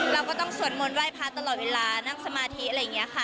เราก็ต้องสวดมนต์ไห้พระตลอดเวลานั่งสมาธิอะไรอย่างนี้ค่ะ